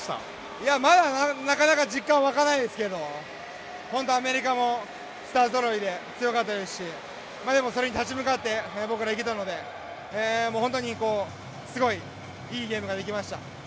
いや、まだなかなか実感湧かないですけどアメリカもスターぞろいで強かったですし、でも、それに立ち向かって僕らいけたので本当にすごいいいゲームができました。